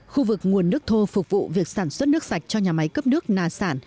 khu vực nguồn nước thô phục vụ việc sản xuất nước sạch cho nhà máy cấp nước nà sản